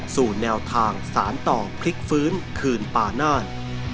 สู่แนวทางสารต่อพลิกฟื้นคืนป่านาศ